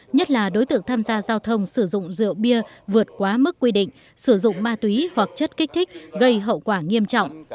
nhất là đối tượng tham gia giao thông sử dụng rượu bia vượt quá mức quy định sử dụng ma túy hoặc chất kích thích gây hậu quả nghiêm trọng